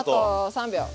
３秒。